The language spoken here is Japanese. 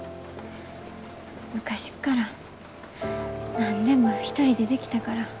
昔から何でも一人でできたから。